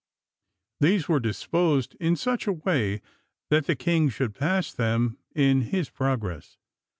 These were disposed in such a way that the King should pass them in his progress.